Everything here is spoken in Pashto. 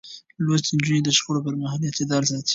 لوستې نجونې د شخړو پر مهال اعتدال ساتي.